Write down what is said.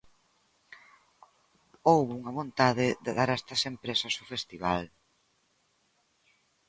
Houbo unha vontade de dar a estas empresas o festival.